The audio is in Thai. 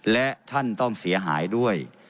และท่านต้องเสียหายด้วย